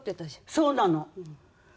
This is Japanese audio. そうなの。